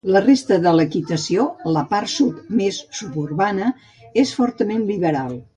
La resta de l'equitació, la part sud més suburbana és fortament liberal.